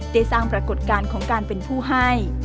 ได้สร้างปรากฏการณ์ของการเป็นผู้ให้